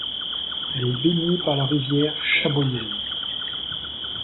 Elle est baignée par la rivière Chaboillez.